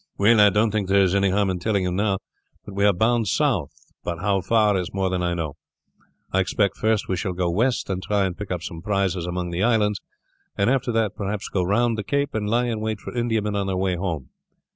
"Well, I don't think there is any harm in telling you now, that we are bound south, but how far is more than I know. I expect first we shall go west and try and pick up some prizes among the islands, and after that perhaps go round the cape and lie in wait for Indiamen on their way home.